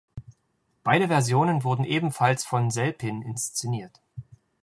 Beide Versionen wurden ebenfalls von Selpin inszeniert.